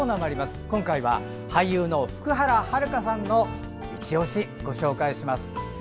今回は、俳優の福原遥さんのいちオシ、ご紹介します。